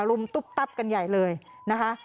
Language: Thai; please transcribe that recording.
รุมตุ๊บตับกันใหญ่เลยนะคะ